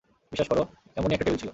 বিশ্বাস কর - এমনই একটা টেবিল ছিল।